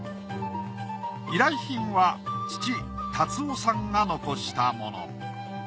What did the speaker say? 依頼品は父辰生さんが残したもの。